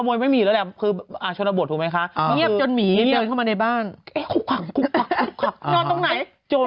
เดี๋ยวก่อนหมีใจเย็น